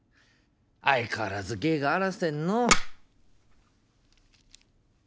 相変わらず芸があらせんのう。